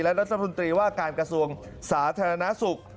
รัฐมนตรีว่าการกระทรวงสาธารณสุข